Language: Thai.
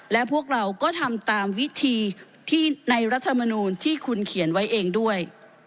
และพวกเราก็ทำตามวิธีที่ในรัฐมนูลที่คุณเขียนไว้เองด้วย